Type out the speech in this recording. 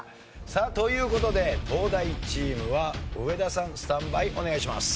さあという事で東大チームは上田さんスタンバイお願いします。